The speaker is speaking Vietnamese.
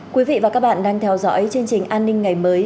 quý vị và các bạn đang theo dõi chương trình an ninh ngày mới